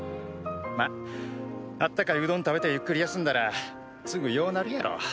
まっあったかいうどん食べてゆっくり休んだらすぐようなるやろ。